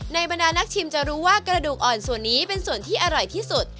บรรดานักชิมจะรู้ว่ากระดูกอ่อนส่วนนี้เป็นส่วนที่อร่อยที่สุด